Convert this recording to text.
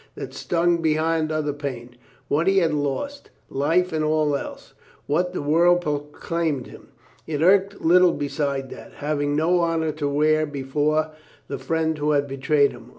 That stung beyond other pain. What he had lost — life and all else; what the world proclaimed him; it irked little beside that, having no honor to wear before the friend who had betrayed him.